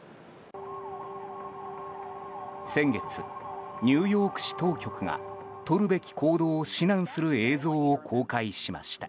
先月、ニューヨーク市当局がとるべき行動を指南する映像を公開しました。